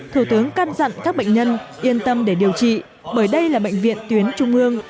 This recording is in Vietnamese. thủ tướng căn dặn các bệnh nhân yên tâm để điều trị bởi đây là bệnh viện tuyến trung ương